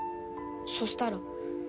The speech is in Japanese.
そしたら。